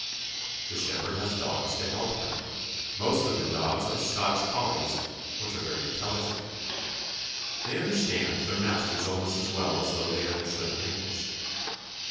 The shepherd has dogs to help him. Most of the dogs are Scotch collies, which are very intelligent. They un derstand their masters almost as well as though they understood language.